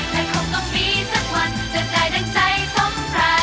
และคงต้องมีสักวันจะได้ดังใจทรงปรับ